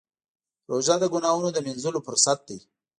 روژه د ګناهونو د مینځلو فرصت دی.